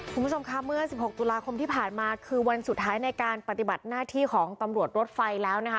คุณผู้ชมค่ะเมื่อ๑๖ตุลาคมที่ผ่านมาคือวันสุดท้ายในการปฏิบัติหน้าที่ของตำรวจรถไฟแล้วนะคะ